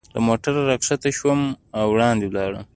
له موټره را کښته شوم او وړاندې ولاړم.